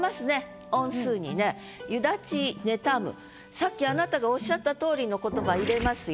さっきあなたがおっしゃったとおりの言葉入れますよ。